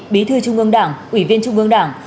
bí thư trung ương đảng ủy viên trung ương đảng